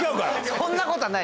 そんなことはない。